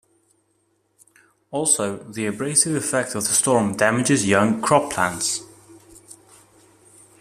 Also the abrasive effect of the storm damages young crop plants.